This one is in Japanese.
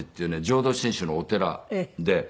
浄土真宗のお寺で。